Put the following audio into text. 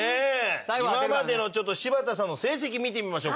今までのちょっと柴田さんの成績見てみましょう。